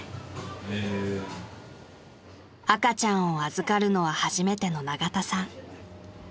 ［赤ちゃんを預かるのは初めての永田さん］